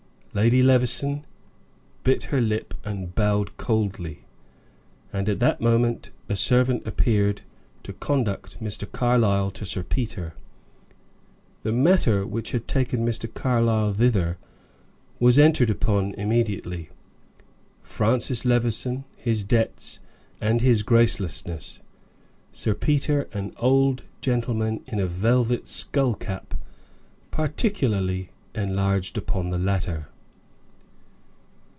Lady Levison bit her lip and bowed coldly; and at that moment a servant appeared to conduct Mr. Carlyle to Sir Peter. The matter which had taken Mr. Carlyle thither was entered upon immediately Francis Levison, his debts, and his gracelessness. Sir Peter, an old gentleman in a velvet skullcap, particularly enlarged upon the latter.